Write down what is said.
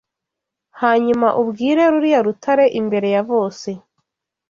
Hanyuma ubwire ruriya rutare imbere ya bose.